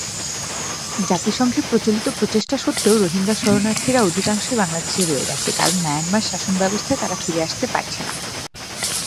জাতিসংঘের প্রচলিত প্রচেষ্টা সত্ত্বেও, রোহিঙ্গা শরণার্থীরা অধিকাংশই বাংলাদেশে রয়ে গেছে, কারণ মায়ানমার শাসনাব্যবস্থায় তারা ফিরে আসতে পারছে না।